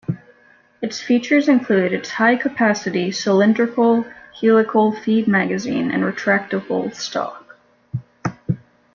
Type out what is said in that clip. Its features include its high-capacity, cylindrical, helical-feed magazine and retractable stock.